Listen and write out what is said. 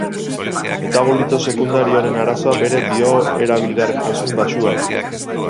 Metabolito sekundario honen arazoa bere bioerabilgarritasun baxua da.